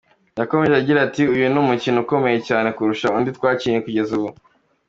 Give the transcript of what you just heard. Yakomeje agira ati “Uyu ni umukino ukomeye cyane kurusha indi twakinnye kugeza ubu.